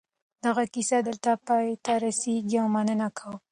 دغه کیسه دلته پای ته رسېږي او مننه کوم.